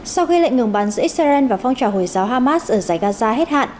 sau khi lệnh ngừng bắn giữa israel và phong trào hồi giáo hamas ở giải gaza hết hạn